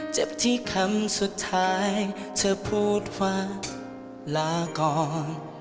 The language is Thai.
เจ็บที่คำสุดท้ายเธอพูดว่าลาก่อน